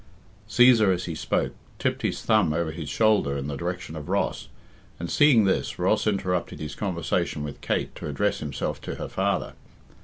Cæsar, as he spoke, tipped his thumb over his shoulder in the direction of Ross, and, seeing this, Ross interrupted his conversation with Kate to address himself to her father.